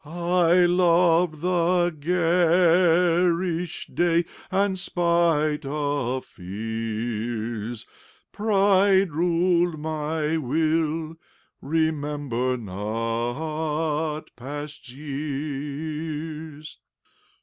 I loved the garish day; and, spite of fears, Pride ruled my will: remember not past years.